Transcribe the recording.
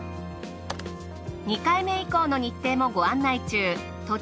２回目以降の日程もご案内中。